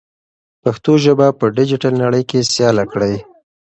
پښتو ژبه په ډیجیټل نړۍ کې سیاله کړئ.